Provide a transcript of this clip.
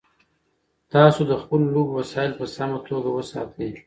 تاسو د خپلو لوبو وسایل په سمه توګه وساتئ.